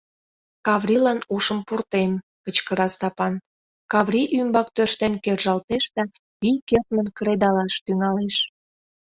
Каврилан ушым пуртем! — кычкыра Стапан, Каврий ӱмбак тӧрштен кержалтеш да вий кертмын кредалаш тӱҥалеш.